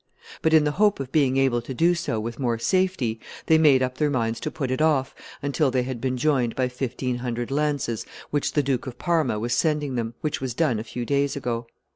But in the hope of being able to do so with more safety, they made up their minds to put it off until they had been joined by fifteen hundred lances which the Duke of Parma was sending them; which was done a few days ago.